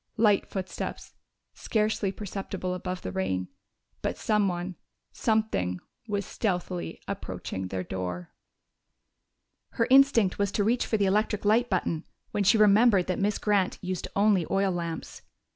Light footsteps, scarcely perceptible above the rain. But someone something was stealthily approaching their door! Her instinct was to reach for the electric light button when she remembered that Miss Grant used only oil lamps.